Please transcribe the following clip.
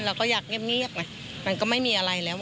เราก็อยากเงียบไงมันก็ไม่มีอะไรแล้ว